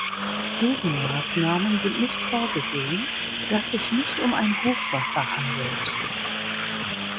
Gegenmaßnahmen sind nicht vorgesehen, da es sich nicht um ein Hochwasser handelt.